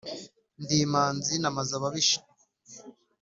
ndi imanzi namaze ababisha,